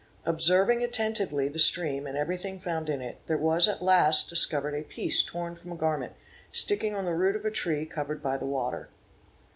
Observing — attentively the stream and everything found in it, there was at last dis — covered a piece torn from a garment, sticking on the root of a tree covered by the water.